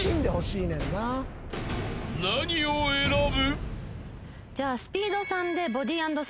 ［何を選ぶ？］